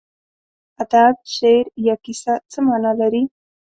ادب، شعر یا کیسه څه مانا لري.